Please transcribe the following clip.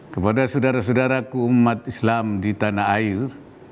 kepada saudara saudaraku umat islam di tanah air